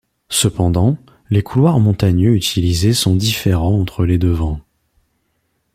Cependant, les couloirs montagneux utilisés sont différents entre les deux vents.